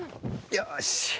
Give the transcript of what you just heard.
よし。